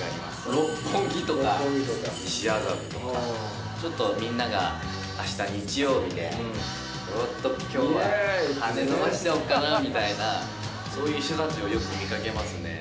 六本木とか、西麻布とか、ちょっとみんながあした日曜日で、ちょっときょうは羽伸ばしちゃおうかなみたいな、そういう人たちをよく見かけますね。